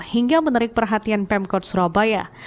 hingga menarik perhatian pemkot surabaya